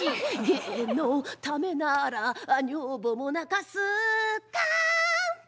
「芸のためなら女房も泣かす」たん。